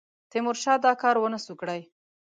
تیمورشاه دا کار ونه سو کړای.